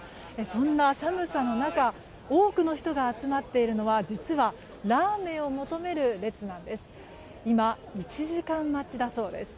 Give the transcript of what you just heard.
そんな寒さの中多くの人が集まっているのは実はラーメンを求める列なんです。